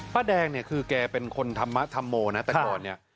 แดงเนี่ยคือแกเป็นคนธรรมธรรโมนะแต่ก่อนเนี่ย